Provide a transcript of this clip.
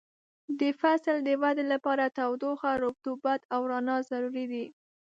د فصل د ودې لپاره تودوخه، رطوبت او رڼا ضروري دي.